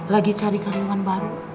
lagi cari karyawan baru